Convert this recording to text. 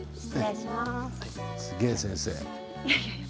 すげえ先生。